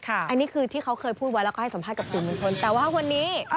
อันนี้คือที่เขาเคยพูดไว้แล้วก็ให้สัมภาษณ์กับสื่อมวลชนแต่ว่าวันนี้